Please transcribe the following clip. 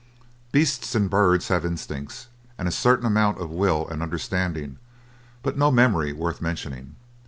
Beasts and birds have instincts, and a certain amount of will and understanding, but no memory worth mentioning.